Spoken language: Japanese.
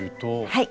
はい。